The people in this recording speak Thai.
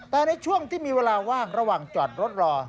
แต่ในช่วงที่มีเวลาว่างระหว่างจอดรถรอ